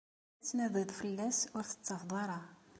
Ad tnadiḍ fell-as, ur t-tettafeḍ ara.